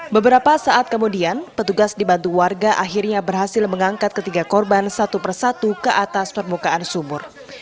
beberapa saat kemudian petugas dibantu warga akhirnya berhasil mengangkat ketiga korban satu persatu ke atas permukaan sumur